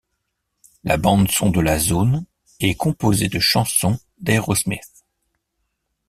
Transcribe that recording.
La bande-son de la zone est composée de chansons d'Aerosmith.